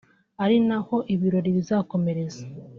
ari naho ibirori bizakomereza